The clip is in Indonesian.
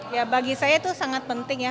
ya bagi saya itu sangat penting ya